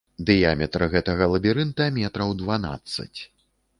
Дыяметр гэтага лабірынта метраў дванаццаць.